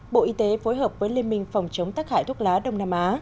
bộ y tế phối hợp với liên minh phòng chống tắc hại thuốc lá đông nam á